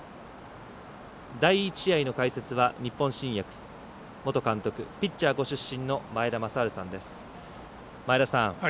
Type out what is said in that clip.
第１試合の解説は日本新薬元監督ピッチャーご出身の前田正治さんです。